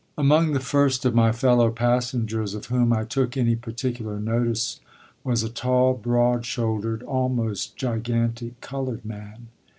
X Among the first of my fellow passengers of whom I took any particular notice was a tall, broad shouldered, almost gigantic, colored man.